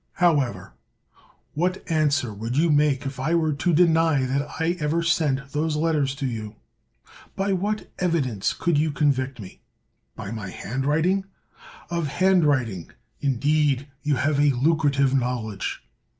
However, what answer would you make if I were to deny that I ever sent those letters to yout By what evidence could you convict me? By my hand writing f Of handwriting indeed you have a lu crative knowledge.